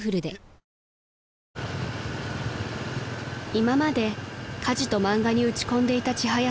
［今まで家事と漫画に打ち込んでいたちはや